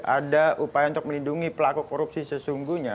ada upaya untuk melindungi pelaku korupsi sesungguhnya